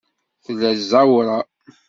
Tella ẓẓawra?